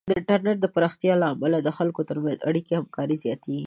د انټرنیټ د پراختیا له امله د خلکو ترمنځ اړیکې او همکاري زیاتېږي.